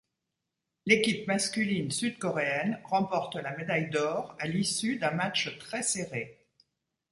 L'équipe masculine sud-coréenne remporte la médaille d'or à l'issue d'un match très serré.